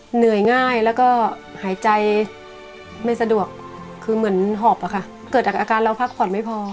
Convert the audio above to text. เหนื่อยง่ายแล้วก็หายใจไม่สะดวกคือเหมือนหอบอะค่ะเกิดจากอาการเราพักผ่อนไม่พอ